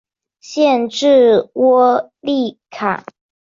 县治窝利卡。